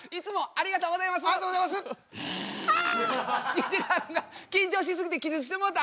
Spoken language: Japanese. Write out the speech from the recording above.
西川君が緊張し過ぎて気絶してもうた！